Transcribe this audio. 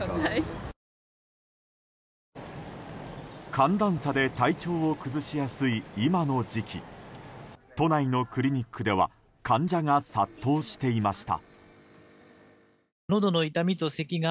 寒暖差で体調を崩しやすい今の時期都内のクリニックでは患者が殺到していました。